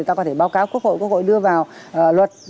ta có thể báo cáo quốc hội quốc hội đưa vào luật